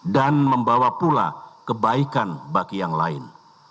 dan membawa pula kebaikan bagi yang lain